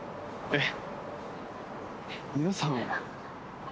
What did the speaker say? えっ？